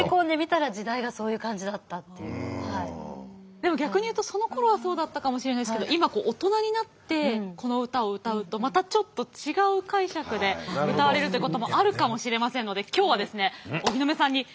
でも逆に言うとそのころはそうだったかもしれないですけど今大人になってこの歌を歌うとまたちょっと違う解釈で歌われるということもあるかもしれませんのでいいですか？